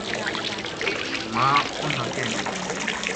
ماں اُنھ نا کہن لگی